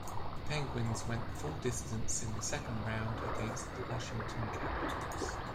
The Penguins went the full distance in the second round against the Washington Capitals.